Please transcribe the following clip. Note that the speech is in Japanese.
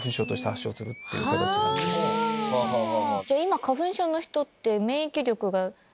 じゃあ今花粉症の人って。